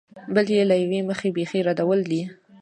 بل یې له یوې مخې بېخي ردول دي.